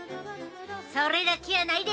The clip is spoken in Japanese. それだけやないで！